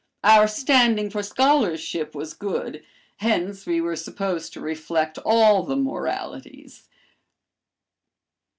Our standing for scholarship was good, hence we were supposed to reflect all the moralities.